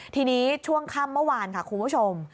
ทีนี้ช่วงค่ำเมื่อวานค่ะคุณผู้ชม